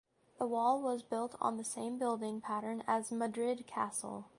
The wall was built on the same building pattern as Marid castle.